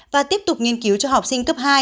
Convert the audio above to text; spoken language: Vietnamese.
và tiếp tục nghiên cứu cho học sinh cấp hai